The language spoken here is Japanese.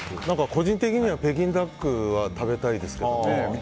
個人的には北京ダックは食べたいですけどね。